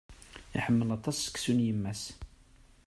Iḥemmel aṭas seksu n yemma-s.